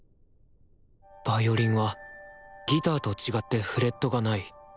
ヴァイオリンはギターと違ってフレットがない。